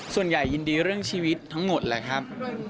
ส่วนใหญ่ยินดีเรื่องชีวิตทั้งหมดแหละครับ